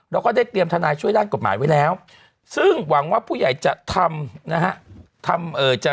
แล้วก็ได้เตรียมทนายช่วยด้านกฎหมายไว้แล้วซึ่งหวังว่าผู้ใหญ่จะทำนะฮะ